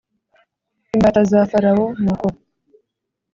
imbata za Farawo Nuko